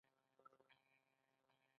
باید وښودل شي چې ولې پر دې وضعیت اعتراض کیږي.